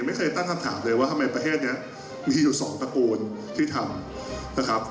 ไม่เคยตั้งคำถามเลยว่าทำไมประเทศนี้มีอยู่สองตระกูลที่ทำนะครับ